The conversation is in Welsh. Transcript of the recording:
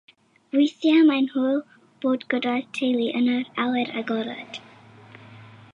Weithiau mae'n hwyl bod gyda'r teulu yn yr awyr agored.